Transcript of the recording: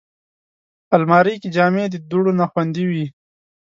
الماري کې جامې د دوړو نه خوندي وي